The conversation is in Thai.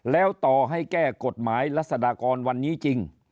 แล้วต่อให้แก้กฎหมายรัศดากรวันนี้จริง